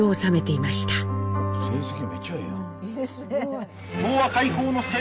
いいですねえ。